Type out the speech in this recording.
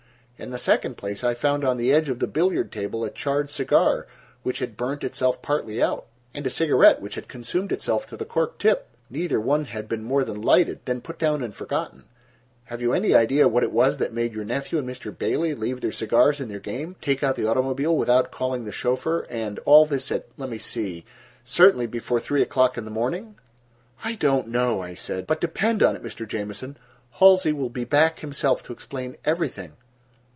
In the second place, I found on the edge of the billiard table a charred cigar which had burned itself partly out, and a cigarette which had consumed itself to the cork tip. Neither one had been more than lighted, then put down and forgotten. Have you any idea what it was that made your nephew and Mr. Bailey leave their cigars and their game, take out the automobile without calling the chauffeur, and all this at—let me see—certainly before three o'clock in the morning?" "I don't know," I said; "but depend on it, Mr. Jamieson, Halsey will be back himself to explain everything."